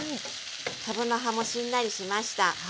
かぶの葉もしんなりしました。